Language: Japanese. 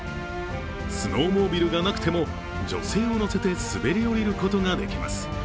スノーモービルがなくても、女性を乗せて滑り降りることができます。